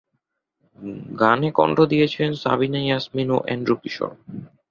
গানে কণ্ঠ দিয়েছেন সাবিনা ইয়াসমিন ও এন্ড্রু কিশোর।